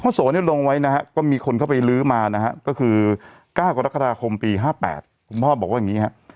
โสเนี่ยลงไว้นะฮะก็มีคนเข้าไปลื้อมานะฮะก็คือ๙กรกฎาคมปี๕๘คุณพ่อบอกว่าอย่างนี้ฮะ